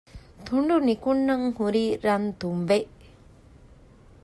ތުނޑު ނިކުންނަން ހުރީ ރަން ތުނބެއް